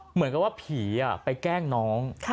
เหมือนกับว่าผีไปแกล้งน้อง